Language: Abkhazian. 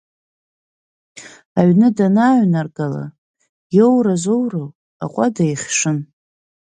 Аҩны данааҩнаргала, иоура-зоуроу аҟуада ихьшын.